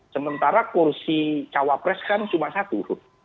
sementara kursi cawapres kan cuma satu